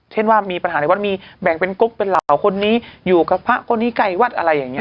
เช่นว่ามีปัญหาในวัดมีแบ่งเป็นกุ๊กเป็นเหล่าคนนี้อยู่กับพระคนนี้ใกล้วัดอะไรอย่างนี้